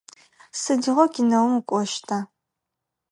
Сыдигъо кинэум укӏощта?